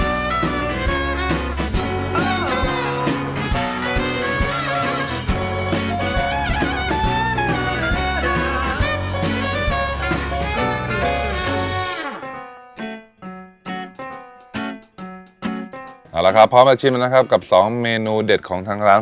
เอาละครับพร้อมมาชิมนะครับกับ๒เมนูเด็ดของทางร้าน